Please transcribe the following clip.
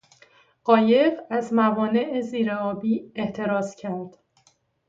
قایق از موانع زیر آبی احتراز کرد.